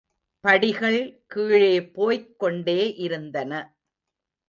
படிகள் கீழே போய்க் கொண்டே இருந்தன.